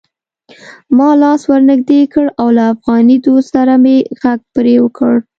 ما لاس ور نږدې کړ او له افغاني دود سره مې غږ پرې وکړ: